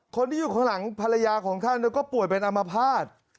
คนที่อยู่ข้างหลังภรรยาของท่านก็ป่วยเป็นอมภาษณ์